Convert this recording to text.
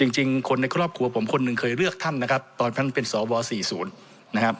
จริงคนในครอบครัวผมคนหนึ่งเคยเลือกท่านนะครับตอนท่านเป็นสว๔๐นะครับ